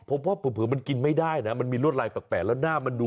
ผมว่าเผลอมันกินไม่ได้นะมันมีรวดลายแปลกแล้วหน้ามันดู